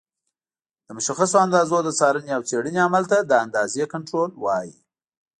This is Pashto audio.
د مشخصو اندازو د څارنې او څېړنې عمل ته د اندازې کنټرول وایي.